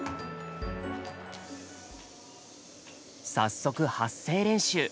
早速発声練習。